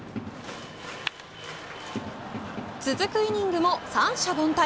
続くイニングも三者凡退。